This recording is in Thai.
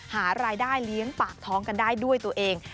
หารายได้เลี้ยงปากท้องกันได้ด้วยตัวเอง